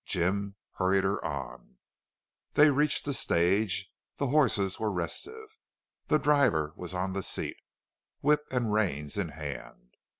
Jim hurried her on. They reached the stage. The horses were restive. The driver was on the seat, whip and reins in hand.